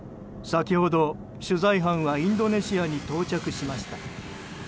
先ほど、取材班はインドネシアに到着しました。